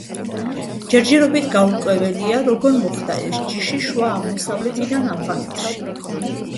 ჯერჯერობით გაურკვეველია, როგორ მოხვდა ეს ჯიში შუა აღმოსავლეთიდან ავღანეთში.